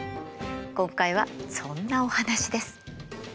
今回はそんなお話です。